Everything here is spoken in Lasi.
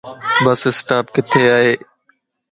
بس اسٽاپ ڪٿي ائي